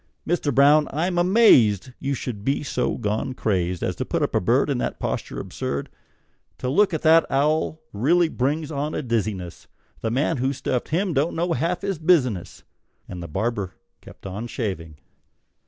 Mister Brown, I'm amazed You should be so gone crazed As to put up a bird In that posture absurd! To look at that owl really brings on a dizziness; The man who stuffed him don't half know his business!" And the barber kept on shaving.